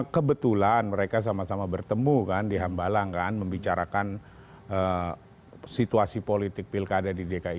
kebetulan mereka sama sama bertemu kan di hambalang kan membicarakan situasi politik pilkada di dki jakarta